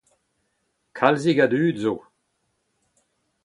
Kalzik a dud zo.